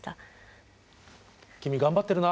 君頑張ってるな。